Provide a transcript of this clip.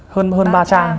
ba trang đúng không